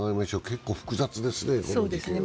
結構複雑ですね。